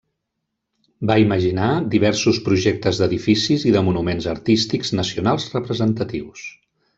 Va imaginar diversos projectes d'edificis i de monuments artístics nacionals representatius.